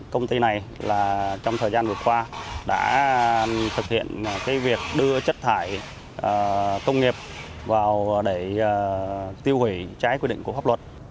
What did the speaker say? công ty này trong thời gian vừa qua đã thực hiện việc đưa chất thải công nghiệp vào để tiêu hủy trái quy định của pháp luật